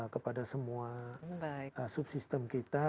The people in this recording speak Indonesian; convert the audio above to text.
kepada semua subsistem kita